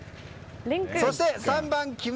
そして３番、木村。